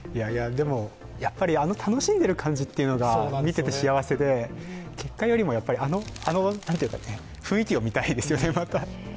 やっぱり楽しんでる感じというのが見てて幸せで結果よりもあの雰囲気を見たいですよね、また。